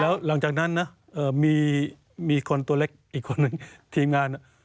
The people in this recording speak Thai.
แล้วหลังจากนั้นนะมีคนตัวเล็กอีกคนหนึ่งทีมงาน